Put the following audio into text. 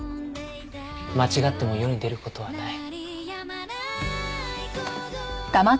間違っても世に出る事はない。